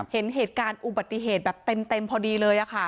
เห็นเหตุการณ์อุบัติเหตุแบบเต็มพอดีเลยค่ะ